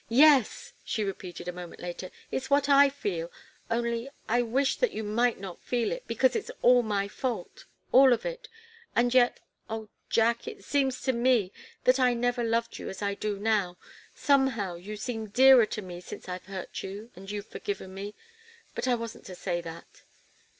"Yes," she repeated, a moment later; "it's what I feel only I wish that you might not feel it, because it's all my fault all of it. And yet oh, Jack! It seems to me that I never loved you as I do now somehow, you seem dearer to me since I've hurt you, and you've forgiven me but I wasn't to say that!"